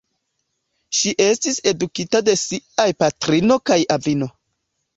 Ŝi estis edukita de siaj patrino kaj avino.